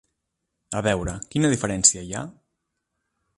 A veure, quina diferència hi ha?